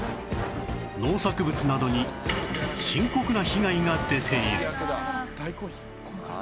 農作物などに深刻な被害が出ている